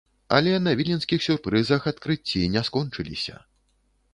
Але на віленскіх сюрпрызах адкрыцці не скончыліся.